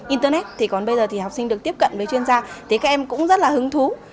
internet thì còn bây giờ thì học sinh được tiếp cận với chuyên gia thì các em cũng rất là hứng thú